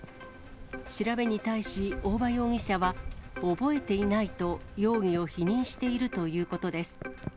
調べに対し、大場容疑者は、覚えていないと容疑を否認しているということです。